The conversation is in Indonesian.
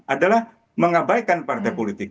adalah mengabaikan partai politik